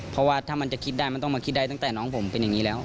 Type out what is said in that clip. เพราะว่าถ้ามันจะคิดได้มันต้องมาคิดได้ตั้งแต่น้องผมเป็นอย่างนี้แล้ว